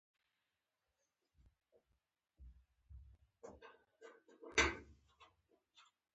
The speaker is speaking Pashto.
افغانستان کې ښارونه په هنر کې منعکس کېږي.